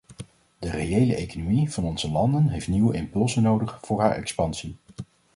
De reële economie van onze landen heeft nieuwe impulsen nodig voor haar expansie.